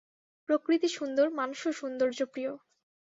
প্রকৃতি সুন্দর, মানুষও সৌন্দর্যপ্রিয়।